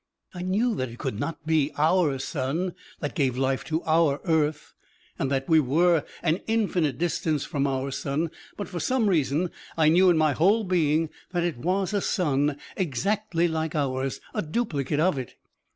I knew that it could not be our sun, that gave life to our earth, and that we were an infinite distance from our sun, but for some reason I knew in my whole being that it was a sun exactly like ours, a duplicate of it.